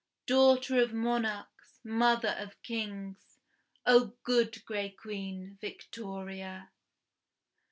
Daughter of monarchs, mother of kings, O good gray Queen, Victoria!